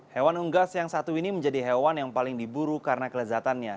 hewan unggas yang satu ini menjadi hewan yang paling diburu karena kelezatannya